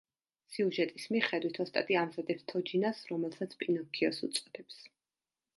სიუჟეტის მიხედვით, ოსტატი ამზადებს თოჯინას, რომელსაც პინოქიოს უწოდებს.